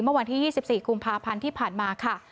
เมื่อวันที่๒๔กุมภาพันธ์ที่ผ่านมาค่ะ